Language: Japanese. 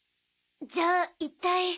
じゃあ一体。